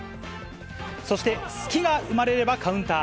そして隙が生まれればカウンター。